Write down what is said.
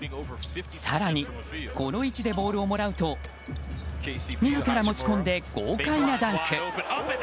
更に、この位置でボールをもらうと自ら持ち込んで豪快なダンク！